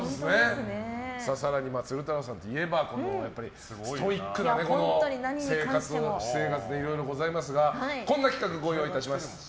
更に鶴太郎さんといえばストイックな私生活でいろいろございますがこんな企画をご用意いたしました。